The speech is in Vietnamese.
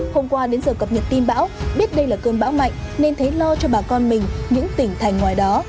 hôm qua đến giờ cập nhật tin bão biết đây là cơn bão mạnh nên thấy lo cho bà con mình những tỉnh thành ngoài đó